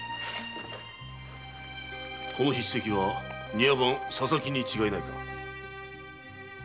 この筆跡は庭番・佐々木に違いないな。